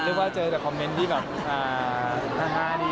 ว่าเจอแต่คอมเมนต์ที่แบบฮาดี